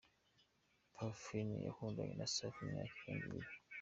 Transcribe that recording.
Parfine yakundanye na Safi imyaka irenga ibiri